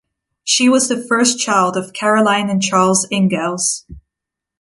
She was the first child of Caroline and Charles Ingalls.